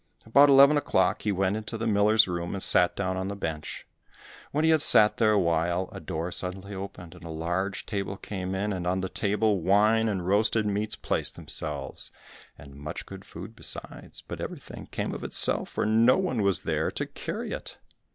About eleven o'clock he went into the miller's room, and sat down on the bench. When he had sat there a while, a door suddenly opened, and a large table came in, and on the table, wine and roasted meats placed themselves, and much good food besides, but everything came of itself, for no one was there to carry it.